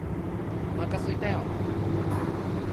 お腹すいたよ！！！！！